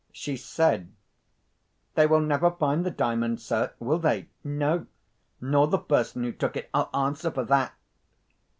She said, 'They will never find the Diamond, sir, will they? No! nor the person who took it—I'll answer for that.